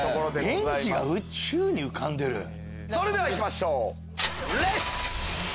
それでは行きましょう！